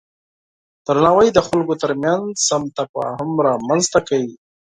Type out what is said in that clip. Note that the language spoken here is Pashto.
درناوی د خلکو ترمنځ سم تفاهم رامنځته کوي.